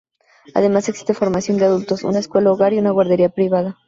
Además existe formación de adultos, una escuela hogar y una guardería privada.